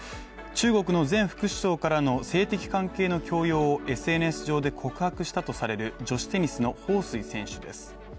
中国の前副首相からの性的関係の強要をＳＮＳ上で告白されたとされる女子テニスの彭帥選手です。